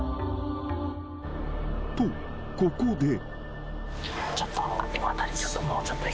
［とここで］